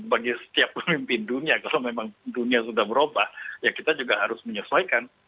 bagi setiap pemimpin dunia kalau memang dunia sudah berubah ya kita juga harus menyesuaikan